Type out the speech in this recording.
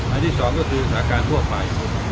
ที่สองก็คือสถานการณ์ทั่วไป